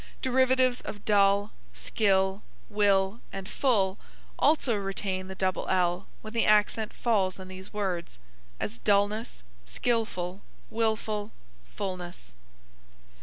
Derivatives of dull, skill, will and full also retain the double ll when the accent falls on these words; as dullness, skillful, willful, fullness.